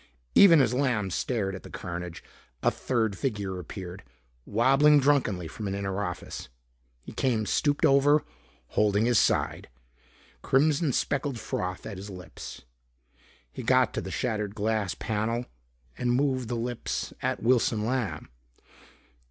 Even as Lamb stared at the carnage, a third figure appeared, wobbling drunkenly from an inner office. He came stooped over, holding his side. Crimson speckled froth at his lips. He got to the shattered glass panel and moved the lips at Wilson Lamb.